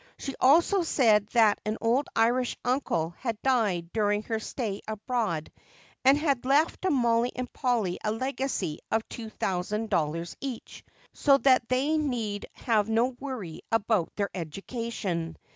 She also said that an old Irish uncle had died during her stay abroad and had left to Mollie and Polly a legacy of two thousand dollars each, so that they need have no worry about their education.